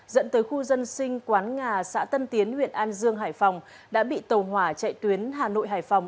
dẫn tới khu dân sinh quán ngà xã tân tiến huyện an dương hải phòng đã bị tàu hỏa chạy tuyến hà nội hải phòng